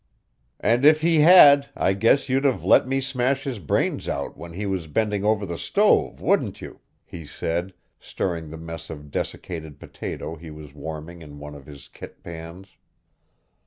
"And if he HAD I guess you'd have let me smash his brains out when he was bending over the stove, wouldn't you?" he said, stirring the mess of desiccated potato he was warming in one of his kit pans.